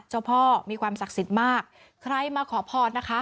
เจ้าพ่อมีความศักดิ์สิทธิ์มากใครมาขอพรนะคะ